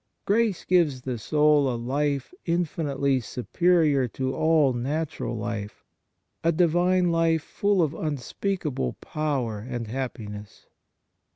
Grace gives the soul a life infinitely superior to all natural life, a Divine life full of unspeakable power and happiness.